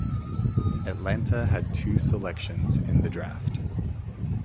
Atlanta had two selections in the draft.